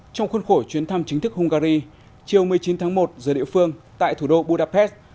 trong khuôn khổ chuyến thăm chính thức hungary chiều một mươi chín tháng một giờ địa phương tại thủ đô budapest